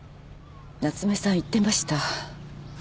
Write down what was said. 夏目さん言ってました。